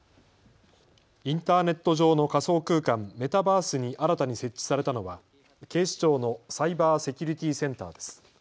インターネット上の仮想空間、メタバースに新たに設置されたのは警視庁のサイバーセキュリティセンターです。